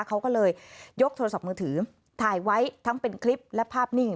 เขาก็เลยยกโทรศัพท์มือถือถ่ายไว้ทั้งเป็นคลิปและภาพนิ่ง